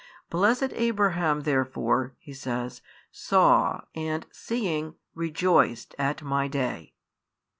Blessed Abraham therefore (He says) saw and seeing rejoiced at My Day.